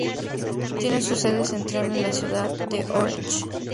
Tiene su sede central en la ciudad de Orense.